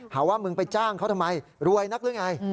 หาว่ามึงไปจ้างเขาทำไมรวยนักหรือไง